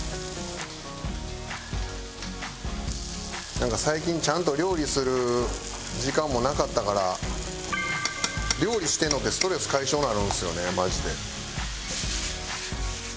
なんか最近ちゃんと料理する時間もなかったから料理してるのってストレス解消になるんですよねマジで。